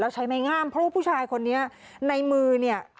ใช้ไม้งามเพราะว่าผู้ชายคนนี้ในมือเนี่ย